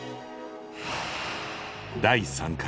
第３回。